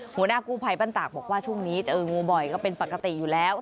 หัวหน้ากู้ภัยบ้านตากบอกว่าช่วงนี้เจองูบ่อยก็เป็นปกติอยู่แล้ว